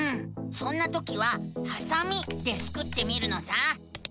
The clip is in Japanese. そんなときは「はさみ」でスクってみるのさ！